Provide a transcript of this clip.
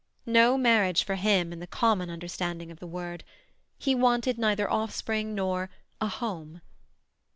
No marriage for him, in the common understanding of the word. He wanted neither offspring nor a "home".